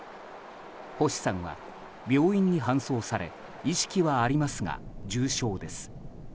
星さんは病院に搬送され意識はありますが重傷です。